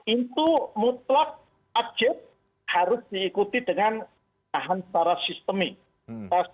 itu mutlak ubjek harus diikuti dengan tahan secara sistemik